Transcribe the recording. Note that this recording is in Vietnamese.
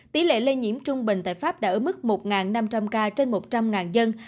tỷ lệ lây nhiễm trung bình tại pháp đã ở mức một năm trăm linh ca trên một trăm linh dân